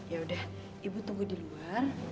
ya udah ibu tunggu di luar